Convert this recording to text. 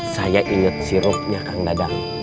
saya ingat sirupnya kang dadang